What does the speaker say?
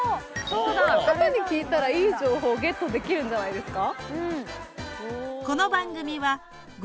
ここの方に聞いたらいい情報ゲットできるんじゃないですか。